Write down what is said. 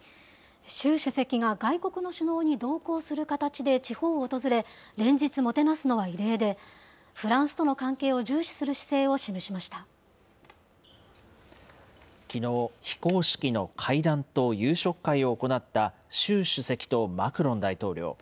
習主席が外国の首脳に同行する形で地方を訪れ、連日もてなすのは異例で、フランスとの関係を重視する姿勢を示しきのう、非公式の会談と夕食会を行った、習主席とマクロン大統領。